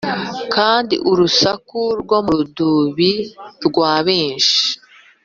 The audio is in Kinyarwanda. Kandi urusaku rwo mu rudubi rwa benshi